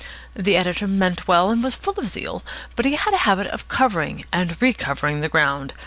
The editor meant well, and was full of zeal, but he had a habit of covering and recovering the ground.